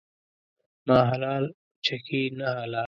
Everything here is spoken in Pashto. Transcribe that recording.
ما حلال ، چکي نه حلال.